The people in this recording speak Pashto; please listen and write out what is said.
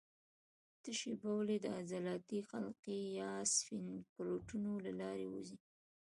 تشې بولې د عضلاتي حلقې یا سفینکترونو له لارې ووځي.